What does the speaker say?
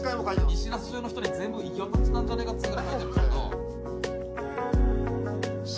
西那須野じゅうの人に全部行き渡ってたんじゃないかっつうぐらい書いているんですけど。